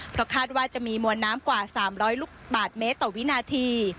เพราะคาดว่าจะมีมวลน้ำกว่า๓๐๐ลูกบาทเมตรต่อวินาที